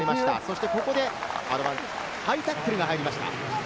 ここでハイタックルが入りました。